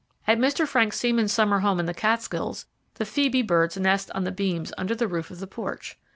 At Mr. Frank Seaman's summer home in the Catskills, the phoebe birds nest on the beams under the roof of the porch.